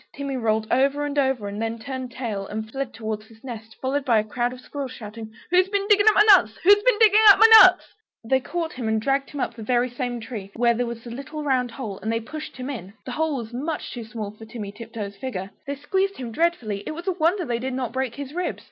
Timmy rolled over and over, and then turned tail and fled towards his nest, followed by a crowd of squirrels shouting "Who's been digging up my nuts?" They caught him and dragged him up the very same tree, where there was the little round hole, and they pushed him in. The hole was much too small for Timmy Tiptoes' figure. They squeezed him dreadfully, it was a wonder they did not break his ribs.